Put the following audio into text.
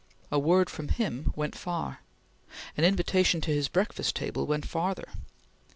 A word from him went far. An invitation to his breakfast table went farther.